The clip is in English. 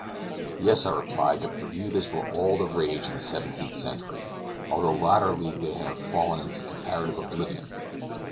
"Yes," I replied, "the Bermudas were all the rage in the seventeenth century, although latterly they have fallen into comparative oblivion."